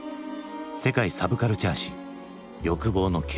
「世界サブカルチャー史欲望の系譜」。